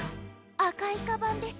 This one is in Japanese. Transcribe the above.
あかいカバンです。